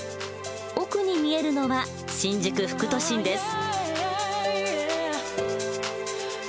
奥に見えるのは新宿副都心です。